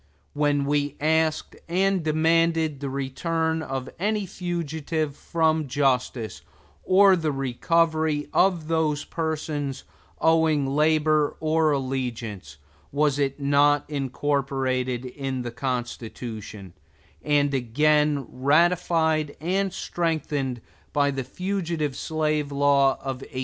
When we asked and demanded the return of any fugitive from justice, or the recovery of those persons owing labor or allegiance, was it not incorporated in the Constitution, and again ratified and strengthened by the Fugitive Slave Law of 1850?